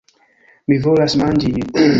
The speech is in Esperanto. Mi volas manĝi...